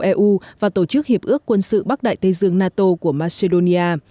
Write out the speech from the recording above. eu và tổ chức hiệp ước quân sự bắc đại tây dương nato của macedonia